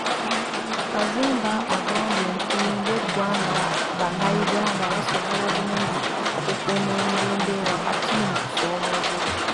Kazimba agambye nti ng'eggwanga bannayuganda basobola bulungi okukuuma emirembe wakati mu kusoomoozebwa.